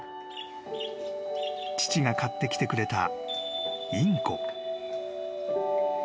［父が買ってきてくれた］